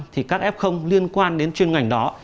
thì các f liên quan đến chuyên ngành đó